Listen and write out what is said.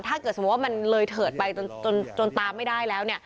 ถ้าเกิดสมมุติว่ามันเลยเถิดไปจนตามไม่ได้แล้ว